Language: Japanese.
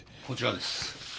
こちらです。